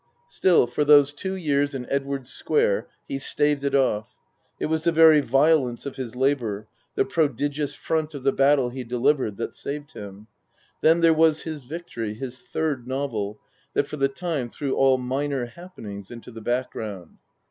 Still, for those two years in Edwardes Square, he staved it off. It was the very violence of his labour, the prodigious front of the battle he delivered, that saved him. Then there was his victory, his Third Novel, that for the time threw all minor happenings into the background.